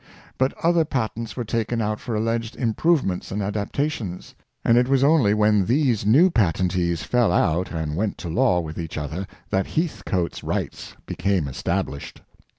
But other patents were taken out for alleged improvements and adapta tions ; and it was only when these new patentees fell out and went to law with each other that Heathcoat 's rights became established.